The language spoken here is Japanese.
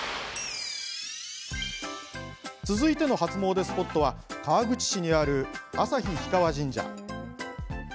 続いての初詣スポットは川口市にある朝日氷川神社。